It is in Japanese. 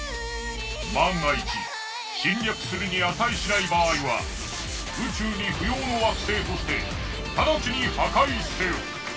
万が一侵略するに値しない場合は宇宙に不要の惑星として直ちに破壊せよ！